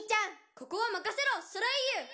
「ここはまかせろソレイユ」